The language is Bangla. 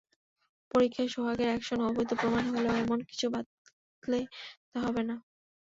পরীক্ষায় সোহাগের অ্যাকশন অবৈধ প্রমাণ হলেও এমন কিছু বাতলে দেওয়া হবে না।